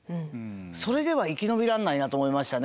それでは生き延びらんないなと思いましたね